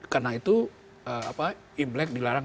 karena itu imlek dilarang